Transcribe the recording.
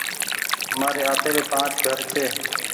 همآري آپيري پآنچ گهر ڇي۔